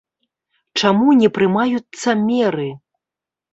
Чаму не прымаюцца меры?